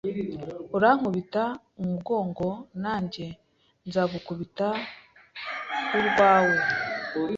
Urankubita umugongo nanjye nzagukubita urwawe